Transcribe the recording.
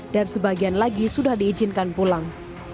dan sebagian lagi sudah diizinkan pulang